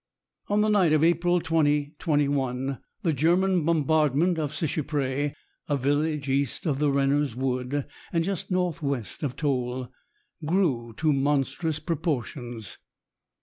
On the night of April 20 21 the German bombardment of Seicheprey, a village east of the Renners wood, and just northwest of Toul, grew to monstrous proportions.